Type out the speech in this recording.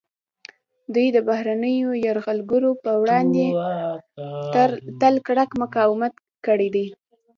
دوی د بهرنیو یرغلګرو پر وړاندې تل کلک مقاومت کړی دی